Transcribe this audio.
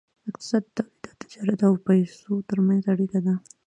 اقتصاد د تولید او تجارت او پیسو ترمنځ اړیکه ده.